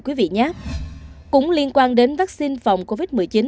cũng liên quan đến vaccine phòng covid một mươi chín